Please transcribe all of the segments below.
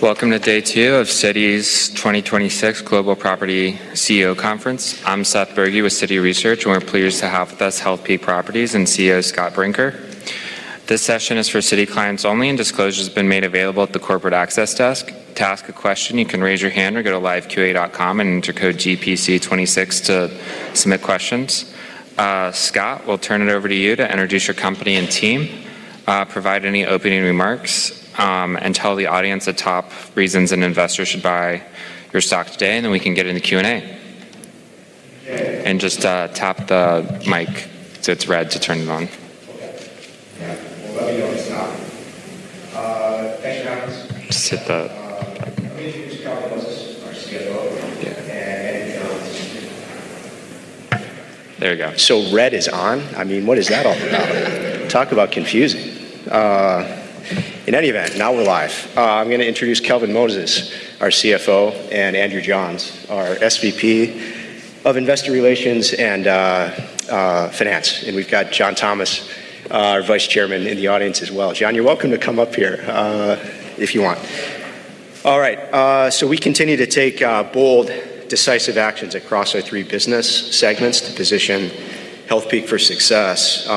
Welcome to day two of Citi's 2026 Global Property CEO Conference. I'm Seth Bergey with Citi Research, and we're pleased to have with us Healthpeak Properties and CEO Scott Brinker. This session is for Citi clients only, and disclosure's been made available at the corporate access desk. To ask a question, you can raise your hand or go to liveqa.com and enter code GPC26 to submit questions. Scott, we'll turn it over to you to introduce your company and team, provide any opening remarks, and tell the audience the top reasons an investor should buy your stock today, and then we can get into Q&A. Okay. Just tap the mic till it's red to turn it on. Okay. Yeah. Well, let me know when it's on. Thanks for having us. Just hit the... Let me introduce Kelvin Moses, our CFO. Yeah. Andrew Johns. There we go. Red is on? I mean, what is that all about? Talk about confusing. In any event, now we're live. I'm gonna introduce Kelvin Moses, our CFO, and Andrew Johns, our SVP of Investor Relations and Finance. We've got John Thomas, our Vice Chairman, in the audience as well. John, you're welcome to come up here if you want. All right. We continue to take bold, decisive actions across our three business segments to position Healthpeak for success.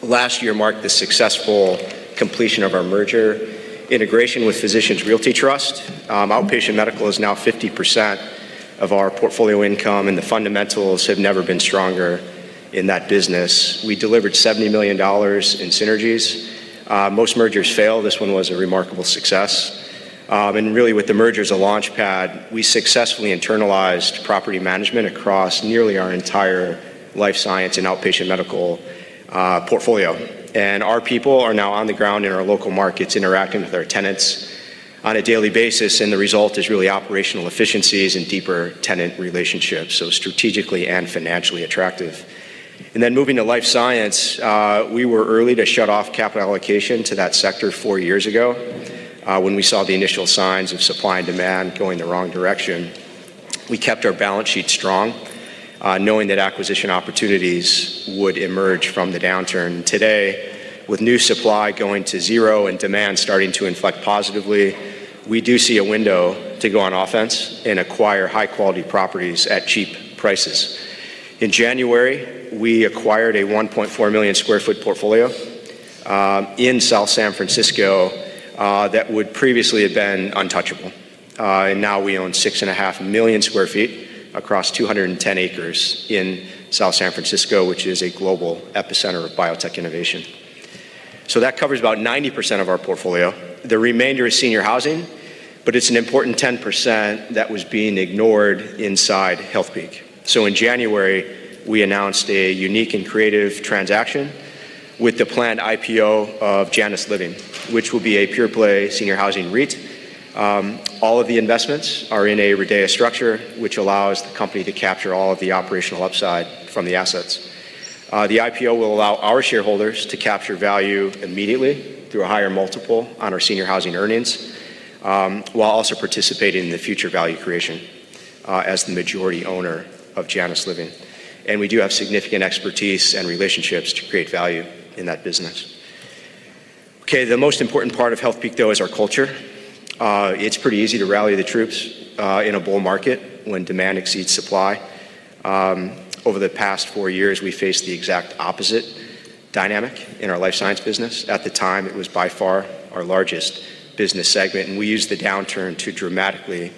Last year marked the successful completion of our merger integration with Physicians Realty Trust. Outpatient medical is now 50% of our portfolio income, the fundamentals have never been stronger in that business. We delivered $70 million in synergies. Most mergers fail. This one was a remarkable success. Really, with the merger as a launchpad, we successfully internalized property management across nearly our entire life science and outpatient medical portfolio. Our people are now on the ground in our local markets interacting with our tenants on a daily basis, the result is really operational efficiencies and deeper tenant relationships. Strategically and financially attractive. Moving to life science, we were early to shut off capital allocation to that sector 4 years ago, when we saw the initial signs of supply and demand going the wrong direction. We kept our balance sheet strong, knowing that acquisition opportunities would emerge from the downturn. Today, with new supply going to zero and demand starting to inflect positively, we do see a window to go on offense and acquire high-quality properties at cheap prices. In January, we acquired a 1.4 million sq ft portfolio in South San Francisco that would previously have been untouchable. Now we own 6.5 million sq ft across 210 acres in South San Francisco, which is a global epicenter of biotech innovation. That covers about 90% of our portfolio. The remainder is senior housing, it's an important 10% that was being ignored inside Healthpeak. In January, we announced a unique and creative transaction with the planned IPO of Janus Living, which will be a pure play senior housing REIT. All of the investments are in a RIDEA structure, which allows the company to capture all of the operational upside from the assets. The IPO will allow our shareholders to capture value immediately through a higher multiple on our senior housing earnings, while also participating in the future value creation, as the majority owner of Janus Living. We do have significant expertise and relationships to create value in that business. Okay, the most important part of Healthpeak, though, is our culture. It's pretty easy to rally the troops in a bull market when demand exceeds supply. Over the past four years, we faced the exact opposite dynamic in our life science business. At the time, it was by far our largest business segment, and we used the downturn to dramatically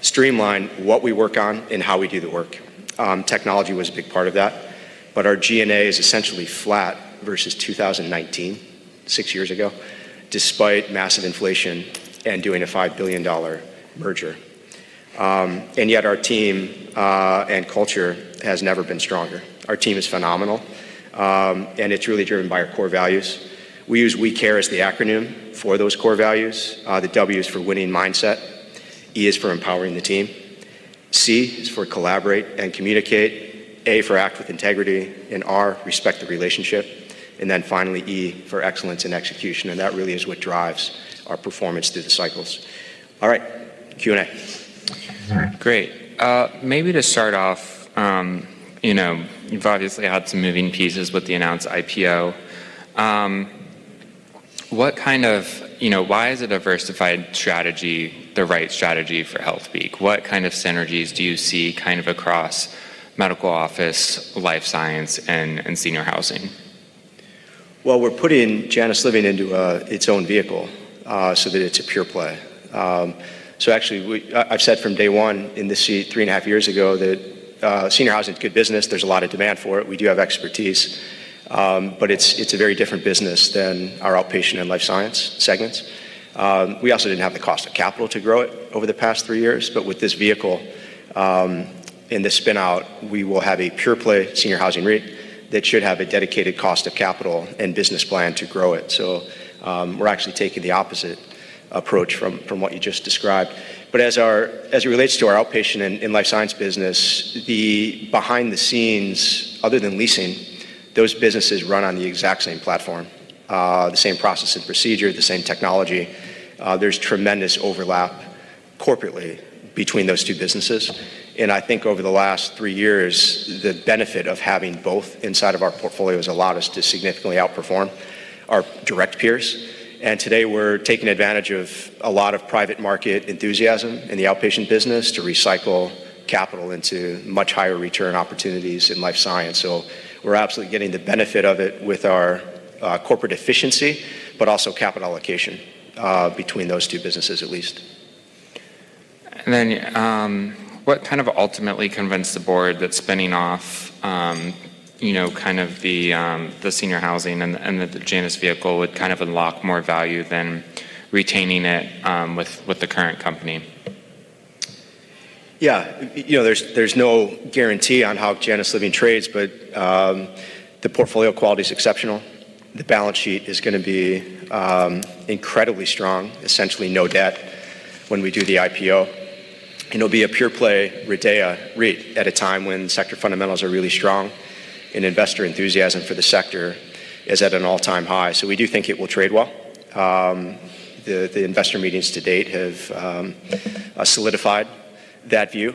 streamline what we work on and how we do the work. Technology was a big part of that. Our G&A is essentially flat versus 2019, 6 years ago, despite massive inflation and doing a $5 billion merger. And yet our team and culture has never been stronger. Our team is phenomenal. And it's really driven by our core values. We use WE CARE as the acronym for those core values. The W is for winning mindset. E is for empowering the team. C is for collaborate and communicate. A for act with integrity. R, respect the relationship. Finally, E for excellence in execution. That really is what drives our performance through the cycles. All right. Q&A. All right. Great. Maybe to start off, you know, you've obviously had some moving pieces with the announced IPO. You know, why is a diversified strategy the right strategy for Healthpeak? What kind of synergies do you see kind of across medical office, life science, and senior housing? We're putting Janus Living into its own vehicle so that it's a pure play. I've said from day one in this seat 3 and a half years ago that senior housing is good business. There's a lot of demand for it. We do have expertise. It's a very different business than our outpatient and life science segments. We also didn't have the cost of capital to grow it over the past 3 years. With this vehicle, in this spin-out, we will have a pure play senior housing REIT that should have a dedicated cost of capital and business plan to grow it. We're actually taking the opposite approach from what you just described. As it relates to our outpatient and life science business, the behind-the-scenes, other than leasing, those businesses run on the exact same platform, the same process and procedure, the same technology. There's tremendous overlap corporately between those two businesses. I think over the last three years, the benefit of having both inside of our portfolio has allowed us to significantly outperform our direct peers. Today, we're taking advantage of a lot of private market enthusiasm in the outpatient business to recycle capital into much higher return opportunities in life science. We're absolutely getting the benefit of it with our corporate efficiency, but also capital allocation between those two businesses at least. What kind of ultimately convinced the board that spinning off, you know, kind of the senior housing and the Janus vehicle would kind of unlock more value than retaining it with the current company? You know, there's no guarantee on how Janus Living trades, but the portfolio quality is exceptional. The balance sheet is gonna be incredibly strong, essentially no debt when we do the IPO. It'll be a pure play RIDEA REIT at a time when sector fundamentals are really strong and investor enthusiasm for the sector is at an all-time high. We do think it will trade well. The investor meetings to date have solidified that view.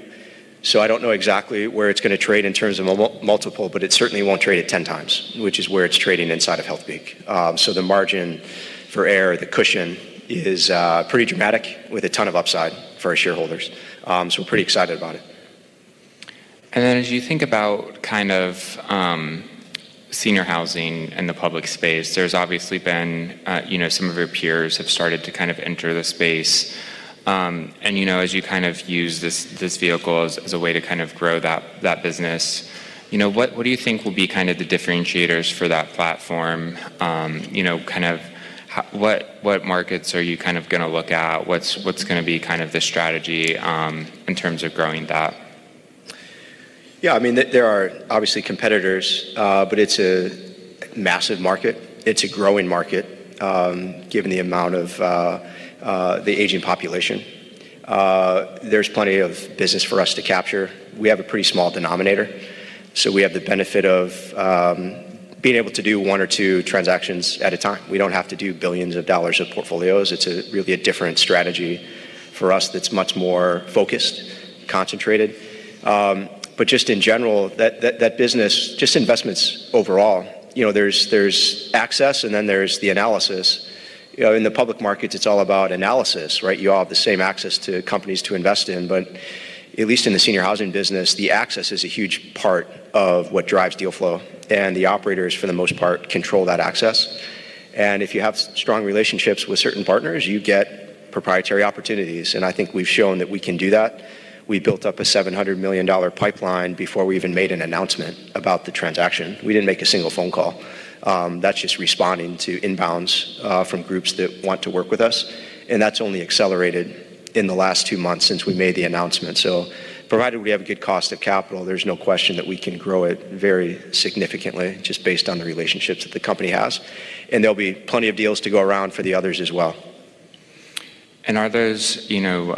I don't know exactly where it's gonna trade in terms of multiple, but it certainly won't trade at 10 times, which is where it's trading inside of Healthpeak. The margin for error, the cushion is pretty dramatic with a ton of upside for our shareholders. We're pretty excited about it. As you think about kind of, senior housing and the public space, there's obviously been, you know, some of your peers have started to kind of enter the space. You know, as you kind of use this vehicle as a way to kind of grow that business, you know, what do you think will be kind of the differentiators for that platform? You know, kind of what markets are you kind of gonna look at? What's gonna be kind of the strategy, in terms of growing that? I mean, there are obviously competitors, but it's a massive market. It's a growing market, given the amount of the aging population. There's plenty of business for us to capture. We have a pretty small denominator, we have the benefit of being able to do one or two transactions at a time. We don't have to do billions of dollars of portfolios. It's a really a different strategy for us that's much more focused, concentrated. Just in general, that business, just investments overall, you know, there's access, and then there's the analysis. You know, in the public markets, it's all about analysis, right? You all have the same access to companies to invest in. At least in the senior housing business, the access is a huge part of what drives deal flow, and the operators, for the most part, control that access. If you have strong relationships with certain partners, you get proprietary opportunities, and I think we've shown that we can do that. We built up a $700 million pipeline before we even made an announcement about the transaction. We didn't make a single phone call. That's just responding to inbounds from groups that want to work with us, and that's only accelerated in the last two months since we made the announcement. Provided we have a good cost of capital, there's no question that we can grow it very significantly just based on the relationships that the company has, and there'll be plenty of deals to go around for the others as well. Are those, you know,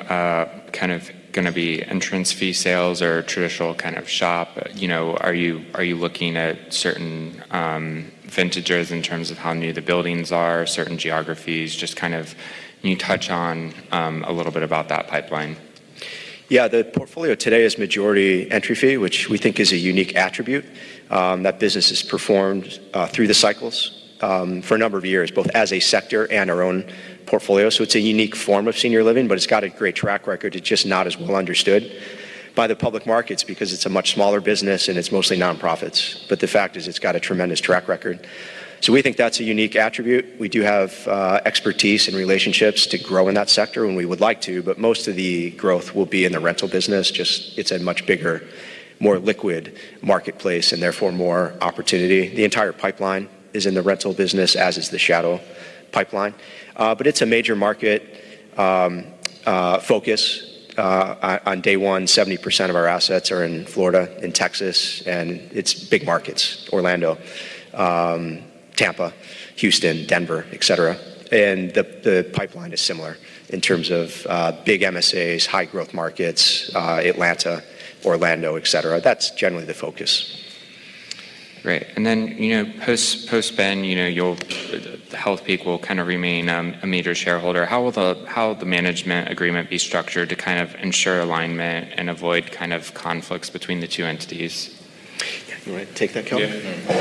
kind of gonna be entrance fee sales or traditional kind of shop? You know, are you, are you looking at certain vintages in terms of how new the buildings are, certain geographies? Just kind of can you touch on a little bit about that pipeline? The portfolio today is majority entry fee, which we think is a unique attribute, that business has performed through the cycles, for a number of years, both as a sector and our own portfolio. It's a unique form of senior living, but it's got a great track record. It's just not as well understood by the public markets because it's a much smaller business, and it's mostly nonprofits. The fact is it's got a tremendous track record. We think that's a unique attribute. We do have expertise and relationships to grow in that sector when we would like to, but most of the growth will be in the rental business. Just it's a much bigger, more liquid marketplace and therefore more opportunity. The entire pipeline is in the rental business, as is the shadow pipeline. It's a major market focus. On day one, 70% of our assets are in Florida and Texas, and it's big markets, Orlando, Tampa, Houston, Denver, et cetera. The pipeline is similar in terms of big MSAs, high growth markets, Atlanta, Orlando, et cetera. That's generally the focus. Great. You know, post Ben, Healthpeak will kind of remain a major shareholder. How will the management agreement be structured to kind of ensure alignment and avoid kind of conflicts between the two entities? You wanna take that, Kelvin? Yeah.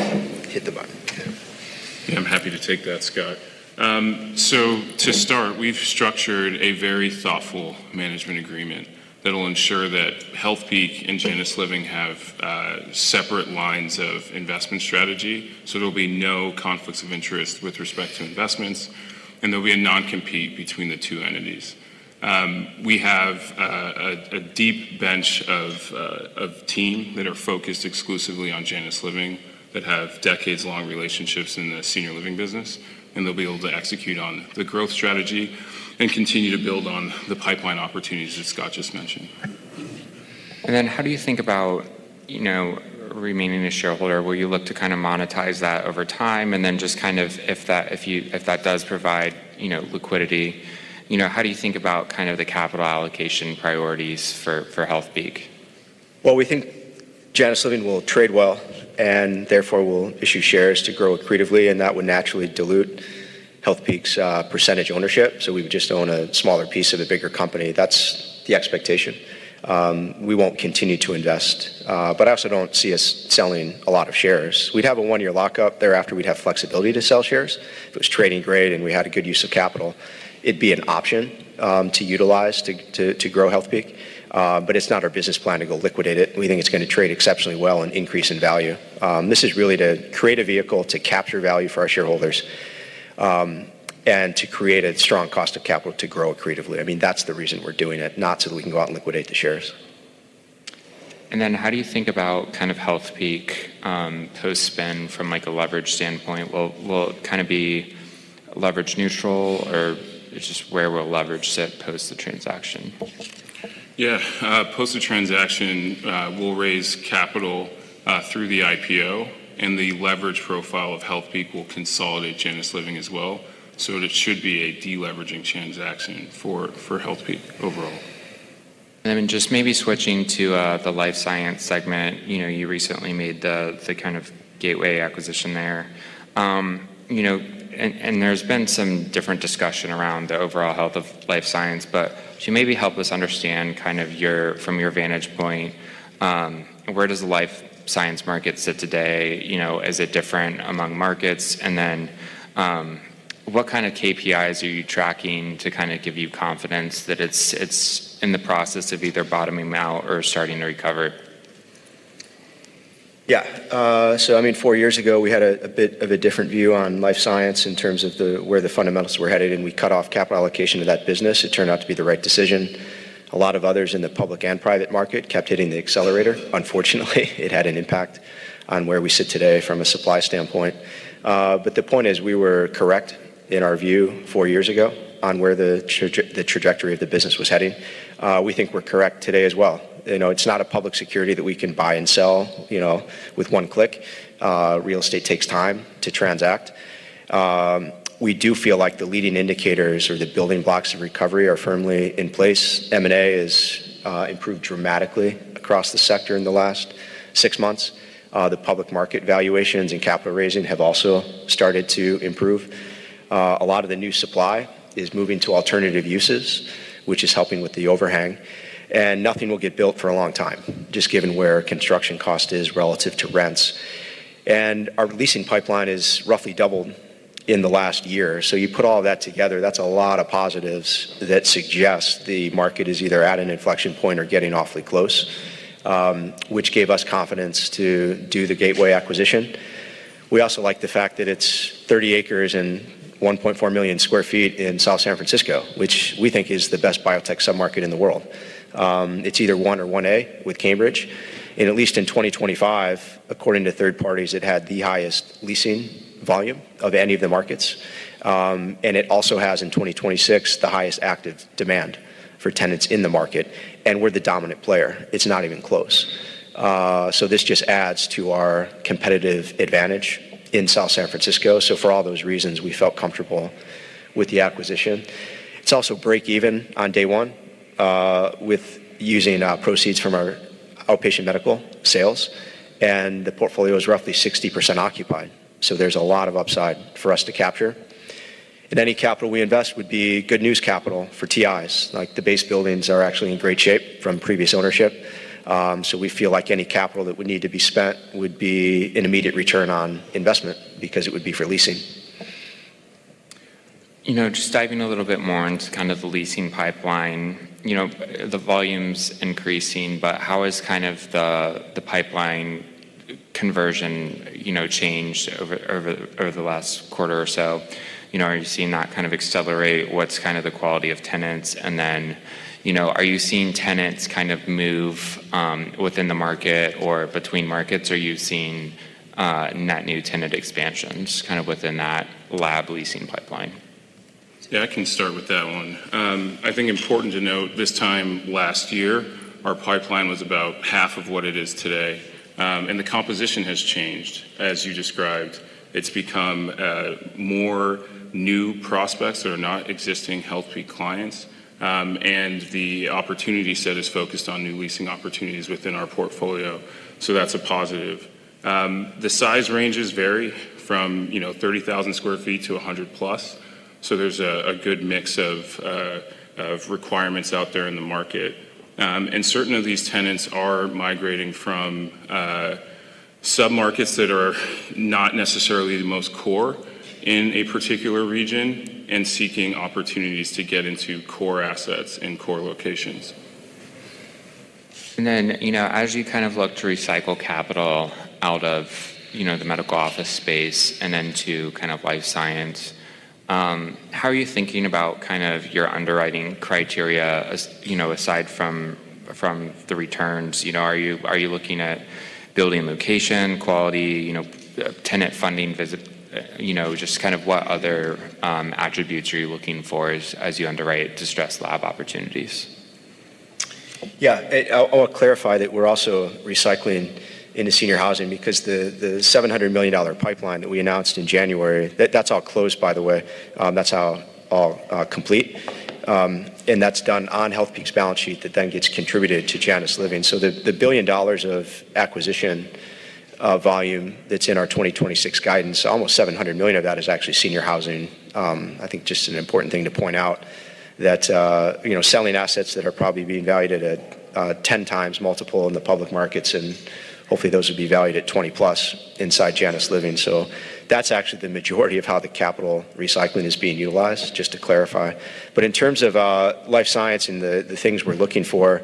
Hit the button. I'm happy to take that, Scott. To start, we've structured a very thoughtful management agreement that'll ensure that Healthpeak and Janus Living have separate lines of investment strategy. There'll be no conflicts of interest with respect to investments, and there'll be a non-compete between the two entities. We have a deep bench of team that are focused exclusively on Janus Living that have decades-long relationships in the senior living business, and they'll be able to execute on the growth strategy and continue to build on the pipeline opportunities that Scott just mentioned. How do you think about, you know, remaining a shareholder? Will you look to kind of monetize that over time? Just kind of if that, if that does provide, you know, liquidity, you know, how do you think about kind of the capital allocation priorities for Healthpeak? Well, we think Janus Living will trade well and therefore will issue shares to grow accretively, and that would naturally dilute Healthpeak's percentage ownership. We would just own a smaller piece of a bigger company. That's the expectation. We won't continue to invest. I also don't see us selling a lot of shares. We'd have a 1-year lockup. Thereafter, we'd have flexibility to sell shares. If it was trading great and we had a good use of capital, it'd be an option to utilize to grow Healthpeak. It's not our business plan to go liquidate it. We think it's gonna trade exceptionally well and increase in value. This is really to create a vehicle to capture value for our shareholders and to create a strong cost of capital to grow accretively. I mean, that's the reason we're doing it, not so that we can go out and liquidate the shares. How do you think about kind of Healthpeak post-spin from like a leverage standpoint? Will it kind of be leverage neutral or just where will leverage sit post the transaction? Post the transaction, we'll raise capital through the IPO, and the leverage profile of Healthpeak will consolidate Janus Living as well. It should be a de-leveraging transaction for Healthpeak overall. Just maybe switching to the life sciences segment. You know, you recently made the kind of Gateway acquisition there. You know, and there's been some different discussion around the overall health of life sciences, but could you maybe help us understand from your vantage point, where does the life sciences market sit today? You know, is it different among markets? What kind of KPIs are you tracking to kind of give you confidence that it's in the process of either bottoming out or starting to recover? I mean, four years ago, we had a bit of a different view on life science in terms of where the fundamentals were headed, and we cut off capital allocation to that business. It turned out to be the right decision. A lot of others in the public and private market kept hitting the accelerator. Unfortunately, it had an impact on where we sit today from a supply standpoint. The point is we were correct in our view four years ago on where the trajectory of the business was heading. We think we're correct today as well. You know, it's not a public security that we can buy and sell, you know, with one click. Real estate takes time to transact. We do feel like the leading indicators or the building blocks of recovery are firmly in place. M&A has improved dramatically across the sector in the last 6 months. The public market valuations and capital raising have also started to improve. A lot of the new supply is moving to alternative uses, which is helping with the overhang. Nothing will get built for a long time, just given where construction cost is relative to rents. Our leasing pipeline is roughly doubled in the last year. You put all that together, that's a lot of positives that suggest the market is either at an inflection point or getting awfully close, which gave us confidence to do the Gateway acquisition. We also like the fact that it's 30 acres and 1.4 million sq ft in South San Francisco, which we think is the best biotech submarket in the world. It's either 1 or 1A with Cambridge. At least in 2025, according to third parties, it had the highest leasing volume of any of the markets. It also has in 2026 the highest active demand for tenants in the market, and we're the dominant player. It's not even close. This just adds to our competitive advantage in South San Francisco. For all those reasons, we felt comfortable with the acquisition. It's also break even on day one, with using proceeds from our outpatient medical sales, and the portfolio is roughly 60% occupied. There's a lot of upside for us to capture. Any capital we invest would be good news capital for TIs. The base buildings are actually in great shape from previous ownership. We feel like any capital that would need to be spent would be an immediate return on investment because it would be for leasing. You know, just diving a little bit more into kind of the leasing pipeline. You know, the volume's increasing, but how is kind of the pipeline conversion, you know, changed over the last quarter or so? You know, are you seeing that kind of accelerate? What's kind of the quality of tenants? Then, you know, are you seeing tenants kind of move within the market or between markets? Are you seeing net new tenant expansions kind of within that lab leasing pipeline? I can start with that one. I think important to note, this time last year, our pipeline was about half of what it is today. The composition has changed, as you described. It's become more new prospects that are not existing Healthpeak clients. The opportunity set is focused on new leasing opportunities within our portfolio, so that's a positive. The size ranges vary from, you know, 30,000 sq ft to 100+, so there's a good mix of requirements out there in the market. Certain of these tenants are migrating from submarkets that are not necessarily the most core in a particular region and seeking opportunities to get into core assets in core locations. You know, as you kind of look to recycle capital out of, you know, the medical office space and then to kind of life science, how are you thinking about kind of your underwriting criteria, as, you know, aside from the returns? You know, are you, are you looking at building location, quality, you know, tenant funding, you know, just kind of what other attributes are you looking for as you underwrite distressed lab opportunities? Yeah. I wanna clarify that we're also recycling into senior housing because the $700 million pipeline that we announced in January, that's all closed by the way. That's all complete. That's done on Healthpeak's balance sheet that then gets contributed to Janus Living. The $1 billion of acquisition volume that's in our 2026 guidance, almost $700 million of that is actually senior housing. I think just an important thing to point out that, you know, selling assets that are probably being valued at 10x multiple in the public markets, and hopefully those would be valued at 20+ inside Janus Living. That's actually the majority of how the capital recycling is being utilized, just to clarify. In terms of life science and the things we're looking for,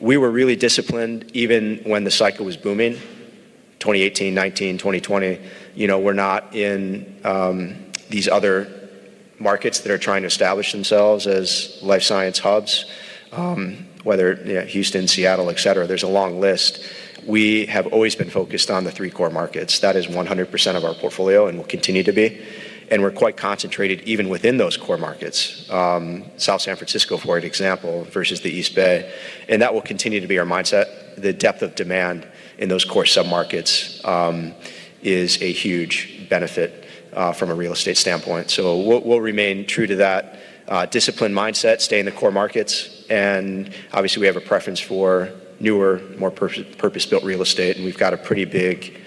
we were really disciplined even when the cycle was booming, 2018, 2019, 2020. You know, we're not in these other markets that are trying to establish themselves as life science hubs, whether, you know, Houston, Seattle, et cetera. There's a long list. We have always been focused on the 3 core markets. That is 100% of our portfolio and will continue to be. We're quite concentrated even within those core markets. South San Francisco, for an example, versus the East Bay. That will continue to be our mindset. The depth of demand in those core submarkets is a huge benefit from a real estate standpoint. We'll remain true to that disciplined mindset, stay in the core markets. Obviously, we have a preference for newer, more purpose-built real estate, and we've got a pretty big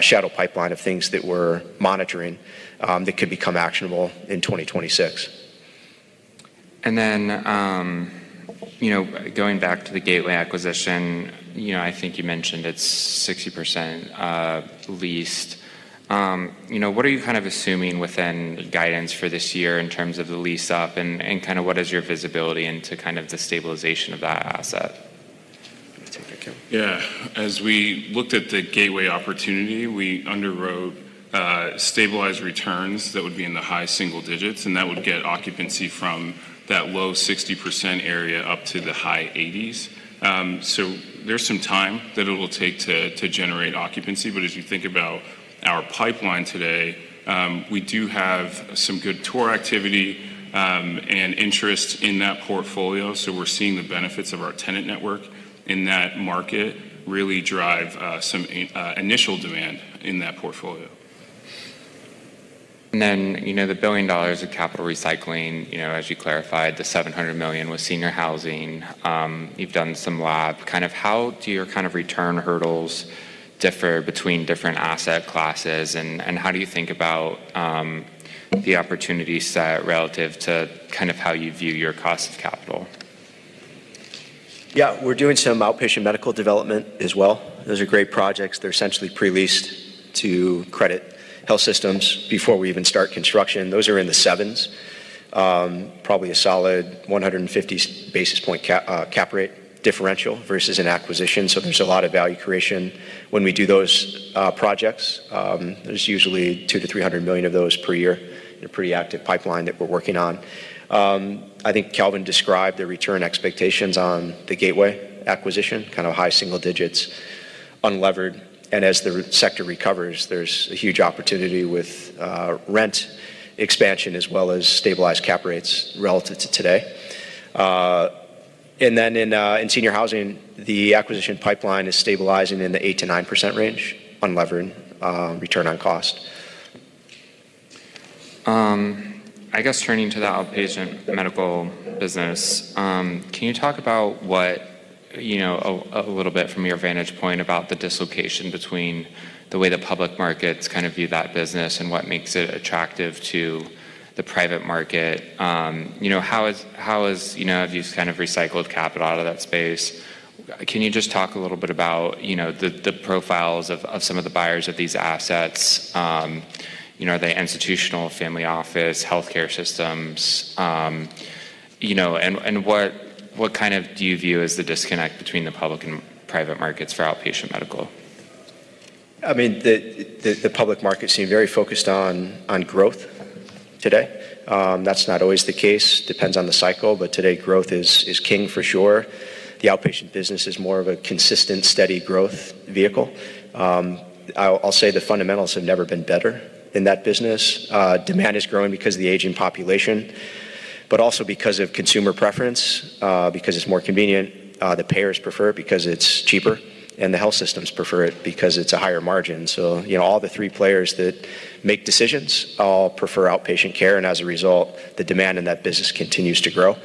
shadow pipeline of things that we're monitoring that could become actionable in 2026. You know, going back to the Gateway acquisition, you know, I think you mentioned it's 60% leased. You know, what are you kind of assuming within guidance for this year in terms of the lease up and kind of what is your visibility into kind of the stabilization of that asset? I'll take that, Kelvin. Yeah. As we looked at the Gateway opportunity, we underwrote stabilized returns that would be in the high single digits, and that would get occupancy from that low 60% area up to the high 80s. There's some time that it'll take to generate occupancy. As you think about our pipeline today, we do have some good tour activity, and interest in that portfolio. We're seeing the benefits of our tenant network in that market really drive some initial demand in that portfolio. You know, the $1 billion of capital recycling, you know, as you clarified, the $700 million was senior housing. You've done some lab. Kind of how do your kind of return hurdles differ between different asset classes? How do you think about the opportunity set relative to kind of how you view your cost of capital? Yeah. We're doing some outpatient medical development as well. Those are great projects. They're essentially pre-leased to credit health systems before we even start construction. Those are in the 7s. probably a solid 150 basis point cap rate differential versus an acquisition. There's a lot of value creation when we do those projects. There's usually $200 million-$300 million of those per year in a pretty active pipeline that we're working on. I think Kelvin described the return expectations on the Gateway acquisition, kind of high single digits, unlevered. As the sector recovers, there's a huge opportunity with rent expansion as well as stabilized cap rates relative to today. In senior housing, the acquisition pipeline is stabilizing in the 8%-9% range, unlevered, return on cost. I guess turning to the outpatient medical business, can you talk about what, you know, a little bit from your vantage point about the dislocation between the way the public markets kind of view that business and what makes it attractive to the private market? You know, how is, you know, have you kind of recycled capital out of that space? Can you just talk a little bit about, you know, the profiles of some of the buyers of these assets? You know, are they institutional, family office, healthcare systems? You know, and what kind of do you view as the disconnect between the public and private markets for outpatient medical? I mean, the public markets seem very focused on growth today. That's not always the case. Depends on the cycle. Today, growth is king for sure. The outpatient business is more of a consistent, steady growth vehicle. I'll say the fundamentals have never been better in that business. Demand is growing because of the aging population, but also because of consumer preference, because it's more convenient. The payers prefer it because it's cheaper, and the health systems prefer it because it's a higher margin. You know, all the three players that make decisions all prefer outpatient care, and as a result, the demand in that business continues to grow.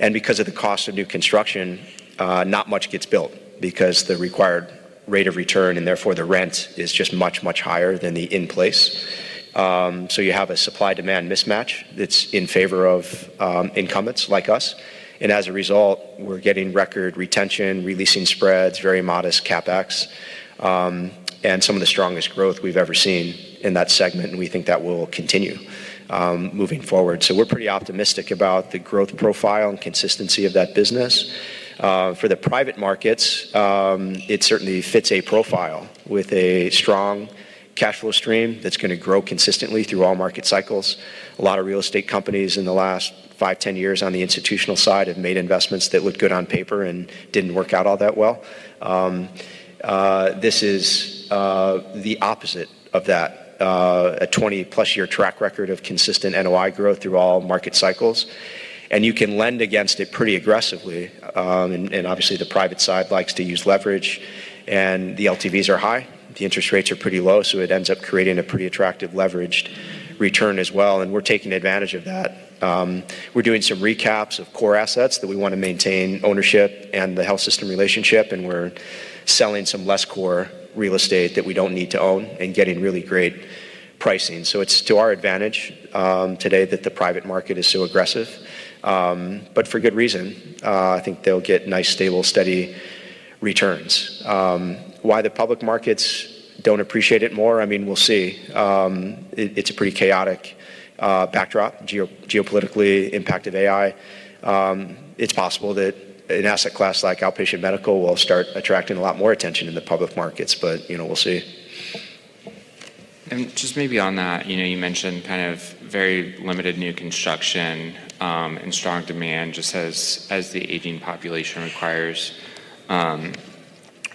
Because of the cost of new construction, not much gets built because the required rate of return, and therefore the rent, is just much, much higher than the in-place. You have a supply-demand mismatch that's in favor of incumbents like us. As a result, we're getting record retention, releasing spreads, very modest CapEx, and some of the strongest growth we've ever seen in that segment, and we think that will continue moving forward. We're pretty optimistic about the growth profile and consistency of that business. For the private markets, it certainly fits a profile with a strong cash flow stream that's gonna grow consistently through all market cycles. A lot of real estate companies in the last 5, 10 years on the institutional side have made investments that looked good on paper and didn't work out all that well. This is the opposite of that. A 20-plus year track record of consistent NOI growth through all market cycles. You can lend against it pretty aggressively. Obviously the private side likes to use leverage, and the Loan-to-Value are high. The interest rates are pretty low, it ends up creating a pretty attractive leveraged return as well, and we're taking advantage of that. We're doing some Recapitalizations of core assets that we want to maintain ownership and the health system relationship, and we're selling some less core real estate that we don't need to own and getting really great pricing. It's to our advantage today that the private market is so aggressive. For good reason. I think they'll get nice, stable, steady returns. Why the public markets don't appreciate it more, I mean, we'll see. It's a pretty chaotic backdrop, geopolitically impacted AI. It's possible that an asset class like outpatient medical will start attracting a lot more attention in the public markets, but, you know, we'll see. Just maybe on that, you know, you mentioned kind of very limited new construction, and strong demand just as the aging population requires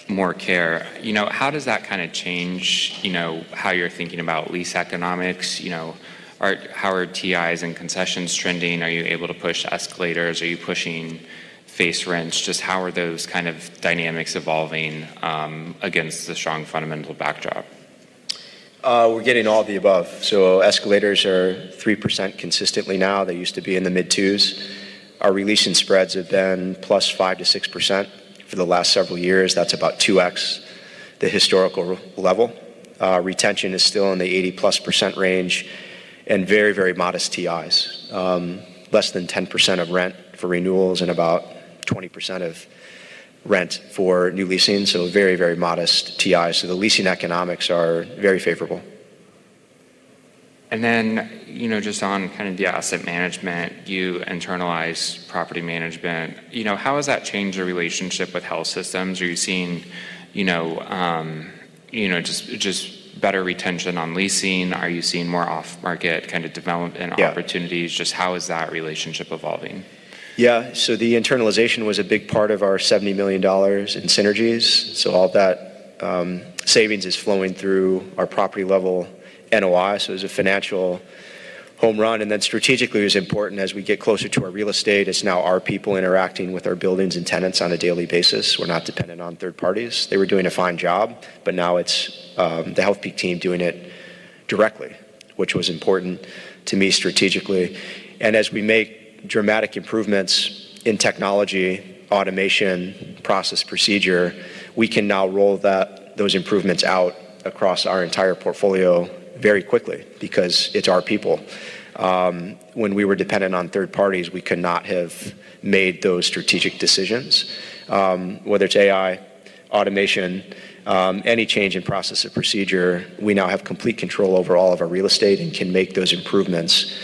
more care. You know, how does that kinda change, you know, how you're thinking about lease economics? You know, how are TIs and concessions trending? Are you able to push escalators? Are you pushing face rents? Just how are those kind of dynamics evolving against the strong fundamental backdrop? We're getting all of the above. Escalators are 3% consistently now. They used to be in the mid-2s. Our re-leasing spreads have been +5%-6% for the last several years. That's about 2x the historical r-level. Retention is still in the 80%+ range and very, very modest TIs. Less than 10% of rent for renewals and about 20% of rent for new leasing. Very, very modest TIs. The leasing economics are very favorable. You know, just on kind of the asset management, you internalize property management. You know, how has that changed your relationship with health systems? Are you seeing, you know, you know, just better retention on leasing? Are you seeing more off-market kind of development opportunities? Yeah. Just how is that relationship evolving? Yeah. The internalization was a big part of our $70 million in synergies. All that savings is flowing through our property level NOI. It was a financial home run. Strategically, it was important as we get closer to our real estate, it's now our people interacting with our buildings and tenants on a daily basis. We're not dependent on third parties. They were doing a fine job, but now it's the Healthpeak team doing it directly, which was important to me strategically. As we make dramatic improvements in technology, automation, process, procedure, we can now roll those improvements out across our entire portfolio very quickly because it's our people. When we were dependent on third parties, we could not have made those strategic decisions. Whether it's AI, automation, any change in process or procedure, we now have complete control over all of our real estate and can make those improvements,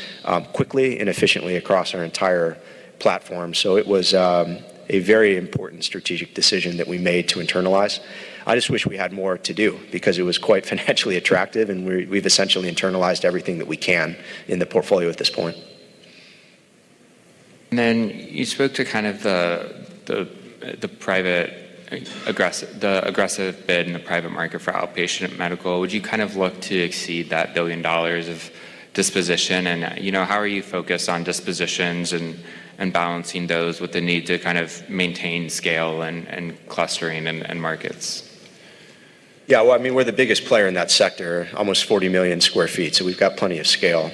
quickly and efficiently across our entire platform. It was a very important strategic decision that we made to internalize. I just wish we had more to do because it was quite financially attractive, and we've essentially internalized everything that we can in the portfolio at this point. You spoke to kind of the aggressive bid in the private market for outpatient medical. Would you kind of look to exceed that $1 billion of disposition? You know, how are you focused on dispositions and balancing those with the need to kind of maintain scale and clustering and markets? Yeah. Well, I mean, we're the biggest player in that sector, almost 40 million sq ft, so we've got plenty of scale.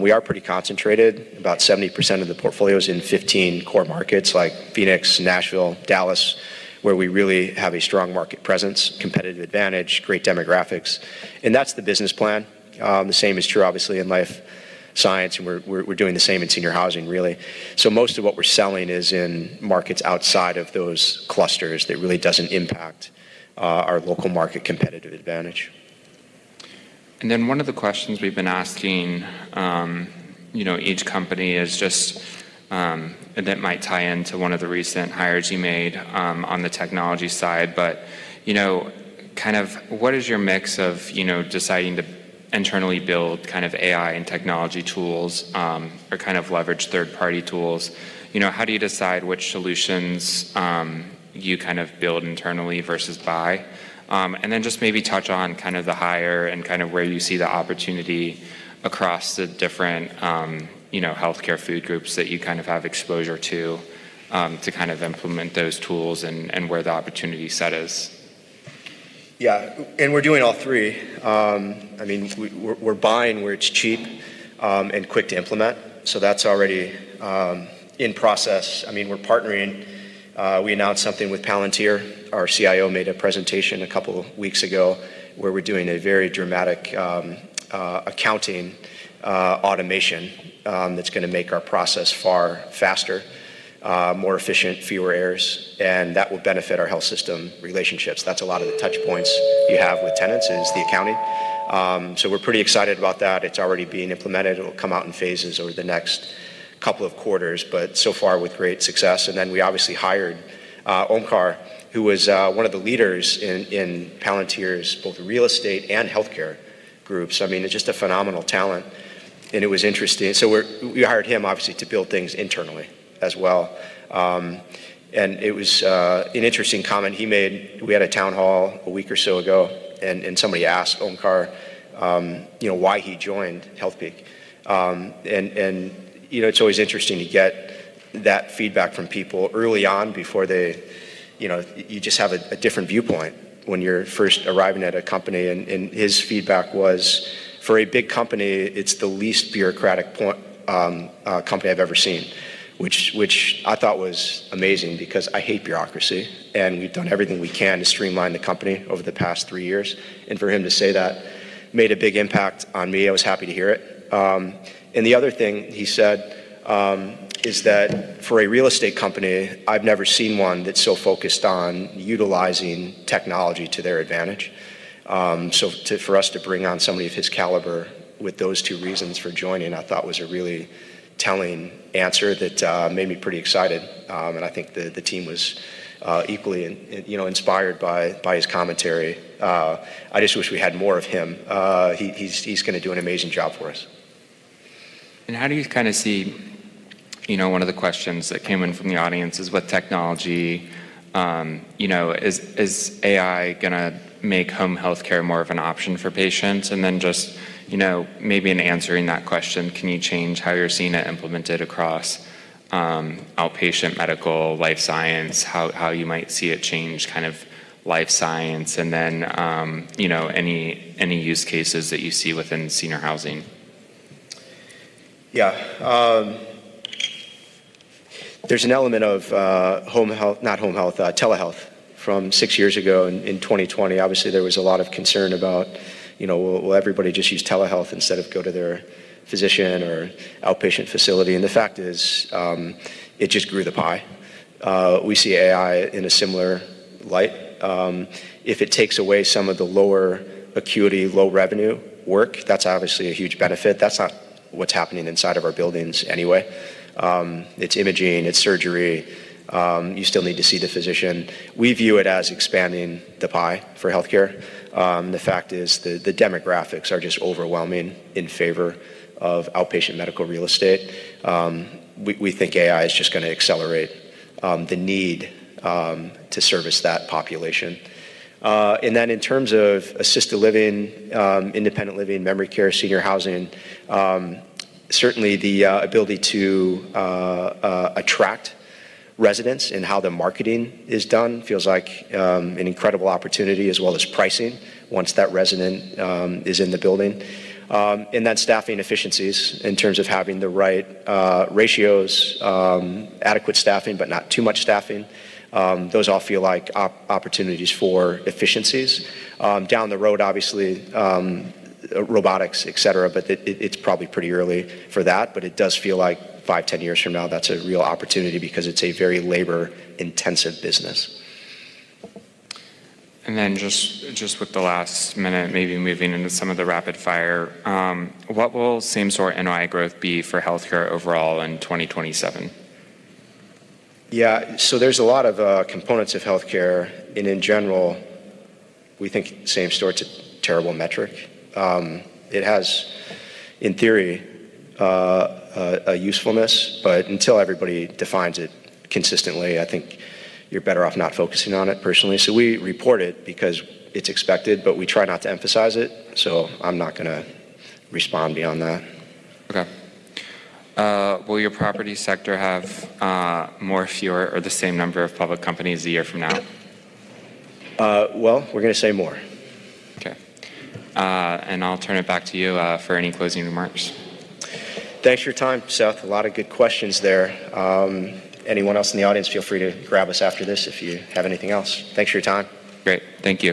We are pretty concentrated. About 70% of the portfolio is in 15 core markets like Phoenix, Nashville, Dallas, where we really have a strong market presence, competitive advantage, great demographics, and that's the business plan. The same is true obviously in life science, and we're doing the same in senior housing, really. Most of what we're selling is in markets outside of those clusters that really doesn't impact our local market competitive advantage. One of the questions we've been asking, you know, each company is just, and it might tie into one of the recent hires you made, on the technology side. You know, kind of what is your mix of, you know, deciding to internally build kind of AI and technology tools, or kind of leverage third-party tools? You know, how do you decide which solutions, you kind of build internally versus buy? Just maybe touch on kind of the hire and kind of where you see the opportunity across the different, you know, healthcare food groups that you kind of have exposure to kind of implement those tools and where the opportunity set is. Yeah. We're doing all three. I mean, we're buying where it's cheap, and quick to implement. That's already in process. I mean, we're partnering. We announced something with Palantir. Our CIO made a presentation a couple weeks ago where we're doing a very dramatic accounting automation that's gonna make our process far faster, more efficient, fewer errors, and that will benefit our health system relationships. That's a lot of the touch points you have with tenants is the accounting. We're pretty excited about that. It's already being implemented. It'll come out in phases over the next couple of quarters, but so far with great success. We obviously hired Omkar, who was one of the leaders in Palantir's both real estate and healthcare groups. I mean, just a phenomenal talent. It was interesting. We hired him obviously to build things internally as well. It was an interesting comment he made. We had a town hall a week or so ago, somebody asked Omkar, you know, why he joined Healthpeak. You know, it's always interesting to get that feedback from people early on before they, you know. You just have a different viewpoint when you're first arriving at a company. His feedback was, "For a big company, it's the least bureaucratic point, company I've ever seen," which I thought was amazing because I hate bureaucracy. We've done everything we can to streamline the company over the past three years. For him to say that made a big impact on me. I was happy to hear it. The other thing he said is that, "For a real estate company, I've never seen one that's so focused on utilizing technology to their advantage." For us to bring on somebody of his caliber with those two reasons for joining, I thought was a really telling answer that made me pretty excited. I think the team was equally in, you know, inspired by his commentary. I just wish we had more of him. He's gonna do an amazing job for us. How do you kind of see? You know, one of the questions that came in from the audience is what technology, you know, is AI gonna make home healthcare more of an option for patients? Then just, you know, maybe in answering that question, can you change how you're seeing it implemented across, outpatient medical, life science, how you might see it change kind of life science and then, you know, any use cases that you see within senior housing? Yeah. There's an element of not home health, telehealth from 6 years ago in 2020. Obviously, there was a lot of concern about, you know, will everybody just use telehealth instead of go to their physician or outpatient facility? The fact is, it just grew the pie. We see AI in a similar light. If it takes away some of the lower acuity, low revenue work, that's obviously a huge benefit. That's not what's happening inside of our buildings anyway. It's imaging, it's surgery. You still need to see the physician. We view it as expanding the pie for healthcare. The fact is the demographics are just overwhelming in favor of outpatient medical real estate. We think AI is just gonna accelerate the need to service that population. In terms of assisted living, independent living, memory care, senior housing, certainly the ability to attract residents and how the marketing is done feels like an incredible opportunity as well as pricing once that resident is in the building. Staffing efficiencies in terms of having the right ratios, adequate staffing, but not too much staffing. Those all feel like opportunities for efficiencies. Down the road obviously, robotics, et cetera, but it's probably pretty early for that. It does feel like five, 10 years from now, that's a real opportunity because it's a very labor-intensive business. Just with the last minute, maybe moving into some of the rapid fire. What will Same-Store NOI growth be for healthcare overall in 2027? Yeah. There's a lot of components of healthcare. In general, we think Same-Store it's a terrible metric. It has in theory a usefulness, but until everybody defines it consistently, I think you're better off not focusing on it personally. We report it because it's expected, but we try not to emphasize it. I'm not gonna respond beyond that. Okay. Will your property sector have more, fewer or the same number of public companies a year from now? Well, we're gonna say more. Okay. I'll turn it back to you, for any closing remarks. Thanks for your time, Seth. A lot of good questions there. Anyone else in the audience, feel free to grab us after this if you have anything else. Thanks for your time. Great. Thank you.